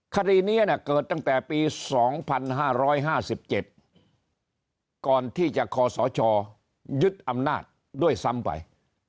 คดีนี้เกิดตั้งแต่ปี๒๕๕๗ก่อนที่จะคอสชยึดอำนาจด้วยซ้ำไป